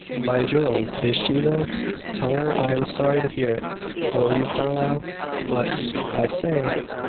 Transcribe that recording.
"By Jove! Is she, though? Tell her I am sorry to hear it, will you, Carlyle? But I say!